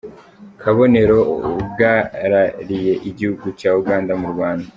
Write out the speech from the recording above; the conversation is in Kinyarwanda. Kabonero ugarariye igihugu cya Uganda mu Rwanda.